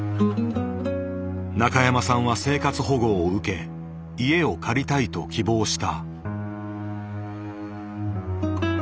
中山さんは生活保護を受け家を借りたいと希望した。